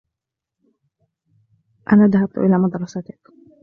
أنا ذهبت إلى مدرستك.